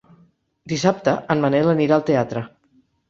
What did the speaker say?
Dissabte en Manel anirà al teatre.